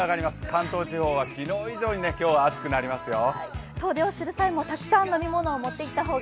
関東地方は昨日以上に今日は暑くなりますよ。